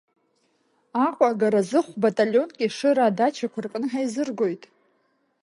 Аҟәа агаразы хә-баталионк Ешыра адачақәа рҟны ҳаизыргоит.